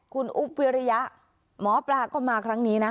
คุณอุ๊บวิริยะหมอปลาก็มาครั้งนี้นะ